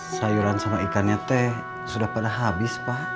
sayuran sama ikannya teh sudah pada habis pak